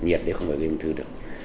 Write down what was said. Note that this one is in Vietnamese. nhiệt thì không phải gây ung thư được